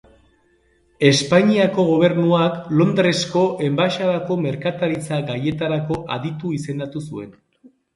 Espainiako gobernuak Londresko Enbaxadako merkataritza gaietarako aditu izendatu zuen.